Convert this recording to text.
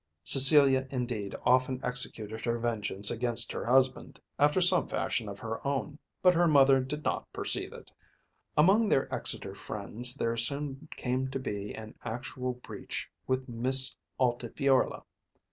Cecilia indeed often executed her vengeance against her husband after some fashion of her own, but her mother did not perceive it. Among their Exeter friends there soon came to be an actual breach with Miss Altifiorla.